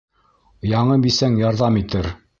Яңы бисәң ярҙам итер.